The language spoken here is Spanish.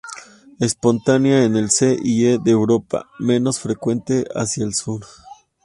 Espontánea en el C y E de Europa, menos frecuente hacia el Sur.